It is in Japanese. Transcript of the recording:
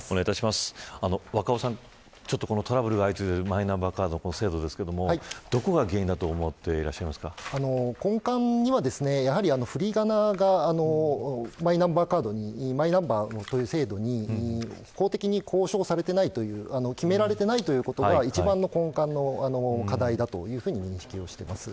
若生さん、トラブルが相次いでいるマイナンバーカードの制度ですがどこが原因だと根幹には、やはりふりがながマイナンバーカードに制度に公的に交渉されていないという決められていないということが一番の根幹の課題だというふうに認識しています。